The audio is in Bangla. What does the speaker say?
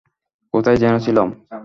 কোথায় যেন ছিলাম?